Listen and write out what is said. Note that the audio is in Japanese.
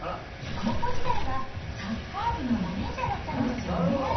高校時代はサッカー部のマネージャーだったんですよね。